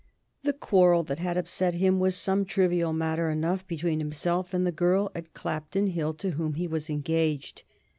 The quarrel that had upset him was some trivial matter enough between himself and the girl at Clapton Hill to whom he was engaged.